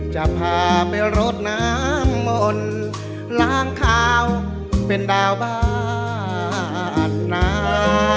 จะพาไปรถน้ำมนล้างขาวเป็นดาวบาดน้ำ